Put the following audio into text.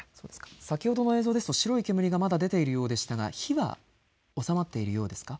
先ほどの映像ですと白い煙、出ているようでしたけれど火は収まっているようですか。